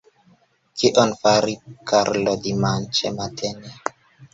Kion faris Karlo dimanĉe matene?